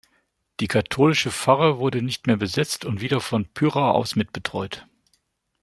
Die katholische Pfarre wurde nicht mehr besetzt und wieder von Pyhra aus mitbetreut.